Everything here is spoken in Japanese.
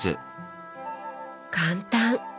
簡単！